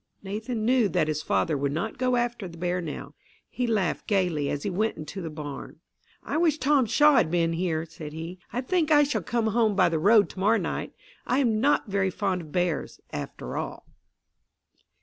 Nathan knew that his father would not go after the bear now. He laughed gaily as he went into the barn. "I wish Tom Shaw had been here," said he. "I think I shall come home by the road to morrow night. I am not very fond of bears, after all."